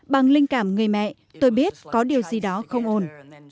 bằng linh cảm người mẹ tôi biết có điều gì đó không ổn